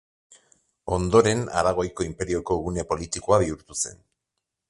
Ondoren, Aragoiko inperioko gune politikoa bihurtu zen.